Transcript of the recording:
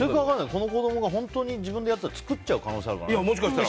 その子供が本当に自分で作っちゃう可能性があるからね。